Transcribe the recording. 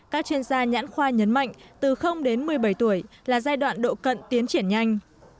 các chuyên gia nhãn khoa nhấn mạnh từ đến một mươi bảy tuổi là giai đoạn độ cận tiến triển nhanh